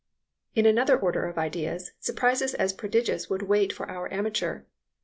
In another order of ideas, surprises as prodigious would wait for our amateur.